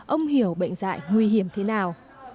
ông hiểu bệnh dại nguy hiểm thế nào